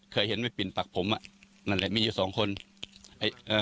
เคยเห็นไปปิ่นปักผมอ่ะนั่นแหละมีอยู่สองคนไอ้เอ่อ